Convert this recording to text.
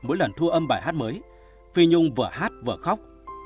mỗi lần thu âm bài hát mới